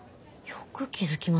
よく気付きましたね